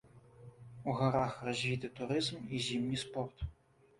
У гарах развіты турызм і зімні спорт.